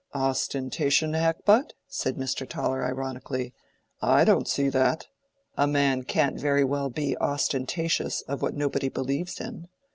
"Ostentation, Hackbutt?" said Mr. Toller, ironically. "I don't see that. A man can't very well be ostentatious of what nobody believes in.